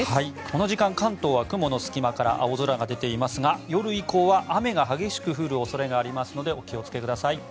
この時間、関東は雲の隙間から青空が出ていますが夜以降は雨が激しく降る恐れがありますのでお気をつけください。